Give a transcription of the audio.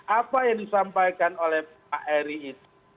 apa yang disampaikan oleh pak eri itu